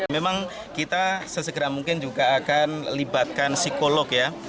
memang kita sesegera mungkin juga akan libatkan psikolog ya